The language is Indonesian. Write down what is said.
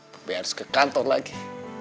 tapi harus ke kantor lagi